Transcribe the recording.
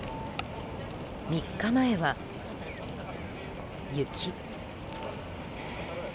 ３日前は雪。